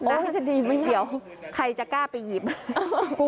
โอ้ยจะดีไหมเดี๋ยวใครจะกล้าไปหยิบฮ่าฮ่า